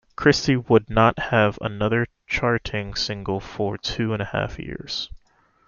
Christie would not have another charting single for two and a half years.